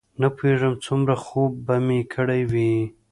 نه پوهېږم څومره خوب به مې کړی وي.